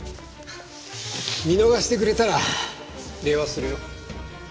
見逃してくれたら礼はするよ。